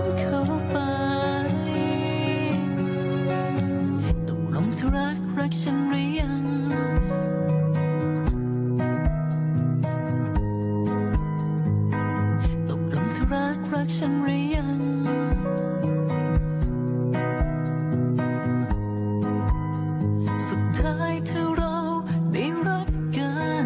เราไม่ได้หวังไม่ได้ขอว่าเธอต้องคิดกลับมา